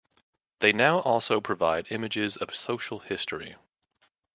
They now also provide images of social history.